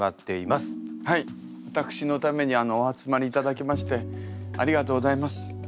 私のためにお集まりいただきましてありがとうございます。